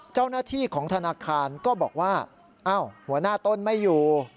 เจ้าหน้าที่ของธนาคารก็บอกว่าอ้าวหัวหน้าต้นไม่อยู่